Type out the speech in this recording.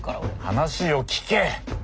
話を聞け！